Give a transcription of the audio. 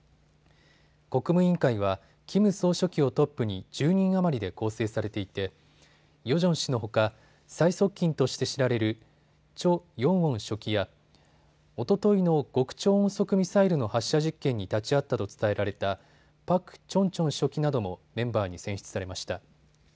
国務委員会はキム総書記をトップに１０人余りで構成されていてヨジョン氏のほか最側近として知られるチョ・ヨンウォン書記やおとといの極超音速ミサイルの発射実験に立ち会ったと伝えられたパク・チョンチョン書記などもメンバーに選出されました。